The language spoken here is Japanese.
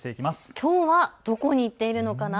きょうはどこに行っているのかな。